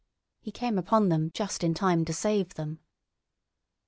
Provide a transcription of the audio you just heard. He came upon them just in time to save them.